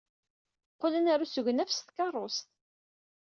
Qqlen ɣer usegnaf s tkeṛṛust.